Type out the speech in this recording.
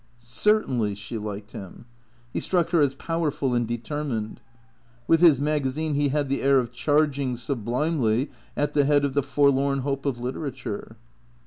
Certainly she liked him. He struck her as powerful and de termined. With his magazine, he had the air of charging, sub limely, at the head of the forlorn hope of literature.